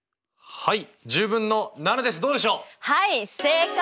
はい。